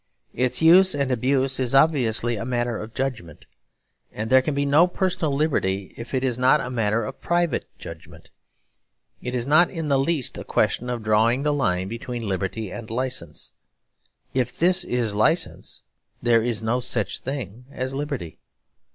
Its use and abuse is obviously a matter of judgment; and there can be no personal liberty, if it is not a matter of private judgment. It is not in the least a question of drawing the line between liberty and licence. If this is licence, there is no such thing as liberty.